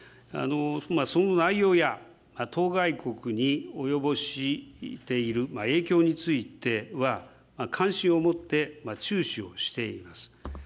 その内容や当該国に及ぼしている影響については、関心を持って注視をしています。